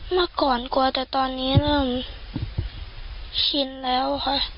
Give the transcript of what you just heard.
เมื่อก่อนกลัวแต่ตอนนี้เริ่มชินแล้วค่ะ